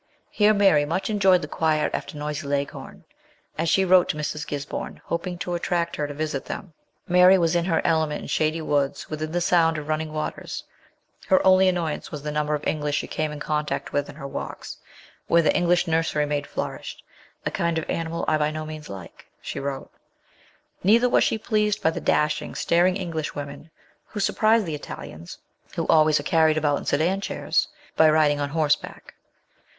Here Mary much enjoyed the quiet alter noisy Leghorn, as she wrote to Mrs. Gisborne, hoping to attract her to visit them. Mary was in her element in shady woods within the sound of running waters ; her only annoyance was the number of English she came in contact with in her walks, where the English nursery maid nourished, " a kind of animal I by no means like/' she wrote ; neither was she pleased by "the dashing, staring Englishwomen, who surprise the Italians (who always are carried about in sedan chairs) by riding on horse back."